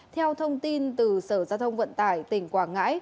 theo thông tin từ sở giao thông vận tải tỉnh quảng ngãi